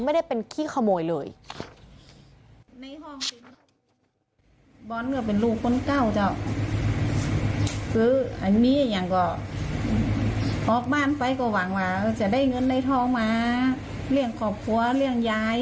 ไม่ได้เป็นขี้ขโมยเลย